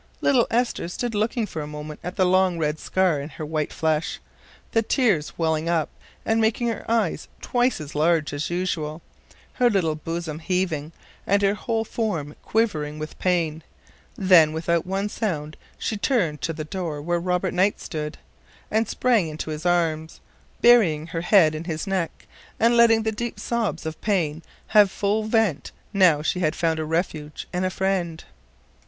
Little Esther stood looking for a moment at the long red scar in her white flesh, the tears welling up and making her eyes twice as large as usual, her little bosom heaving, and her whole form quivering with pain; then without one sound she turned to the door where stood Robert Knight, and sprang into his arms, burying her head in his neck and letting the deep sobs of pain have full vent, now she had found a refuge and a friend.